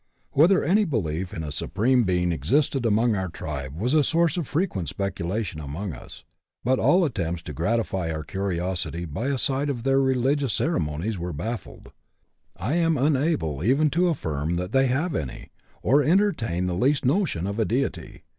Whether any belief in a Supreme Being existed among our tribe was a source of frequent speculation among us, but all attempts to gratify our curiosity by a sight of their religious ceremonies were baffled. I am unable even to affirm that they have any, or entertain the least notion of a Deity.